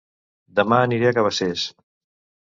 Dema aniré a Cabacés